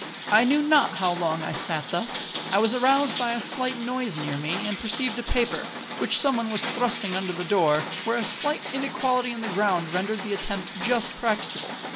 I knew not how long I sat thus. I was aroused by a slight noise near me, and perceived a paper, which some one was thrusting under the door, where a slight inequality in the ground rendered the attempt just practicable.